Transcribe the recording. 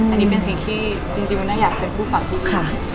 อันนี้เป็นสิ่งที่จริงมันน่าอยากเป็นผู้ปรับทุกคำ